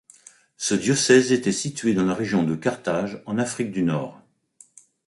Ce diocèse était situé dans la région de Carthage en Afrique du Nord.